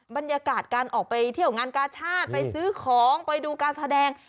บรรยากาศการออกไปเที่ยวงานกาชาติไปซื้อของไปดูการแสดง